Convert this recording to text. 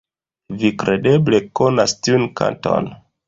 Vi kredeble konas tiun kanton?